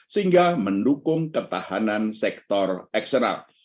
sehingga mendukung ketahanan sektor eksternal